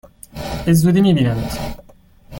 به زودی می بینمت!